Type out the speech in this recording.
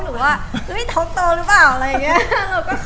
หรือว่าเฮ้ยท้องโตหรือเปล่าอะไรอย่างนี้